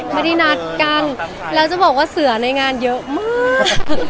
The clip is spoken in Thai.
ไม่ได้นัดกันแล้วจะบอกว่าเสือในงานเยอะมาก